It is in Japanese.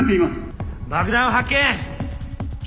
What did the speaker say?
爆弾を発見。